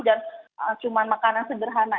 dan cuma makanan sederhana